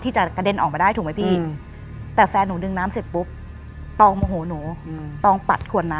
จากในแพ็ค